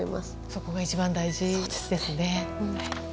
そこが一番大事ですね。